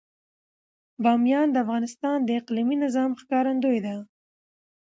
بامیان د افغانستان د اقلیمي نظام ښکارندوی ده.